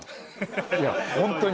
いやホントに。